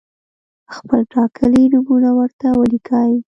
خپل ټاکلي نومونه ورته ولیکئ.